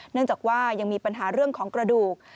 เนื่องจากว่ายังมีปัญหาเรื่องของกระดูก